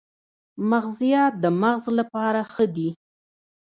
مغزيات د مغز لپاره ښه دي